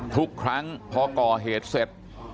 ทุกครั้งพอก่อเหตุเสร็จ